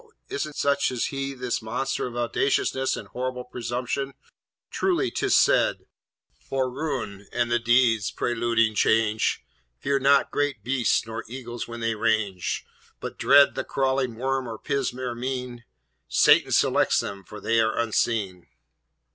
is't such as he, this monster of audaciousness and horrible presumption? Truly 'tis said: "For ruin and the deeds preluding change, Fear not great Beasts, nor Eagles when they range: But dread the crawling worm or pismire mean, Satan selects them, for they are unseen."